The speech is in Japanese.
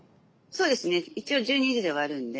そうですね一応１２時で終わるんで。